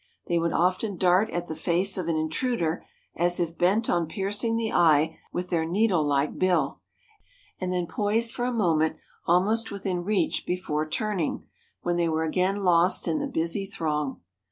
They would often dart at the face of an intruder as if bent on piercing the eye with their needlelike bill, and then poise for a moment almost within reach before turning, when they were again lost in the busy throng.